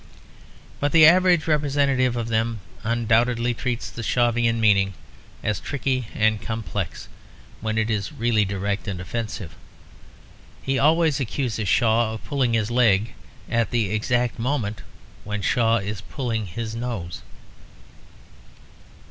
But the average representative of them undoubtedly treats the Shavian meaning as tricky and complex, when it is really direct and offensive. He always accuses Shaw of pulling his leg, at the exact moment when Shaw is pulling his nose.